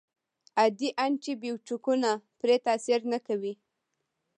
عادي انټي بیوټیکونه پرې تاثیر نه کوي.